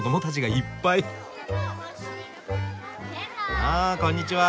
あこんにちは。